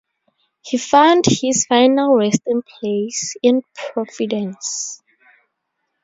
He found his final resting place in Providence.